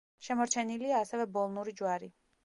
შემორჩენილია ასევე ბოლნური ჯვარი.